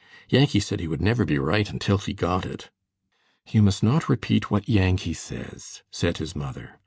Yankee said he would never be right until he got it." "You must not repeat what Yankee says," said his mother.